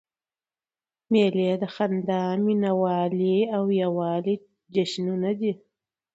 مېلې د خندا، مینوالۍ او یووالي جشنونه دي.